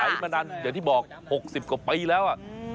ขายมานานอย่างที่บอกหกสิบกว่าปีแล้วอะอืม